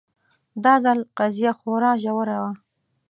دا ځل قضیه خورا ژوره وه